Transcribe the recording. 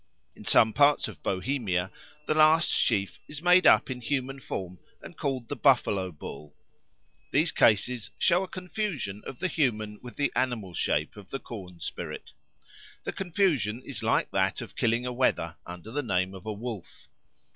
In some parts of Bohemia the last sheaf is made up in human form and called the Buffalo bull. These cases show a confusion of the human with the animal shape of the corn spirit. The confusion is like that of killing a wether under the name of a wolf.